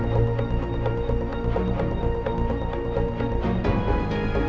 makhlukya jadi gitar pun